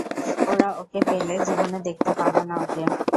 ওরা ওকে পেলে, জীবনে দেখতে পাবো না ওকে।